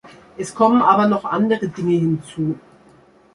Es kommen aber noch andere Dinge hinzu.